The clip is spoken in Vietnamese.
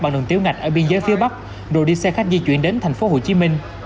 bằng đường tiểu ngạch ở biên giới phía bắc rồi đi xe khách di chuyển đến thành phố hồ chí minh